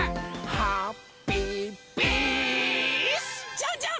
ジャンジャン！